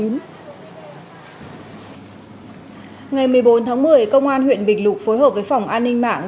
ngày một mươi bốn tháng một mươi công an huyện bình lục phối hợp với phòng an ninh mạng